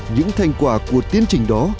những thành quả của tiến trình đó